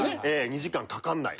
２時間かかんない。